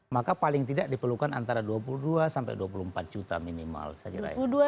maka paling tidak diperlukan antara dua puluh dua sampai dua puluh empat juta minimal saya kira ya